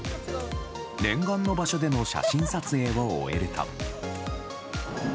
念願の場所での写真撮影を終えると。